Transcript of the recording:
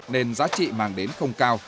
nên giá trị mang đến không cao